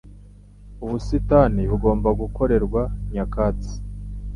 Ubusitani bugomba gukorerwa nyakatsi